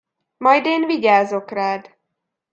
Majd én vigyázok rád.